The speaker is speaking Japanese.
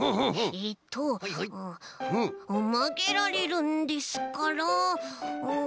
えっとまげられるんですからん。